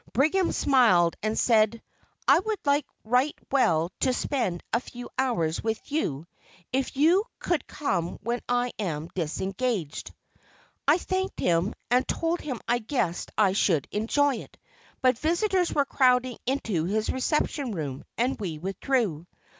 Brigham smiled and said, "I would like right well to spend a few hours with you, if you could come when I am disengaged." I thanked him, and told him I guessed I should enjoy it; but visitors were crowding into his reception room, and we withdrew.